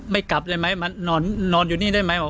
กลับเลยไหมมานอนอยู่นี่ได้ไหม